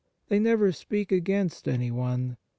They never speak against anyone.